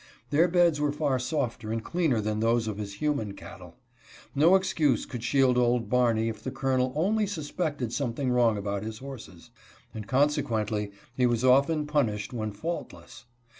Their beds were far softer and cleaner than those of his human cattle. No excuse could shield old Barney if the Colonel only suspected something wrong about his horses, and consequently he was often punished when faultless.